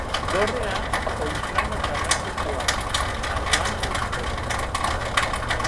Dorrea oinplano karratukoa da, harlanduzkoa.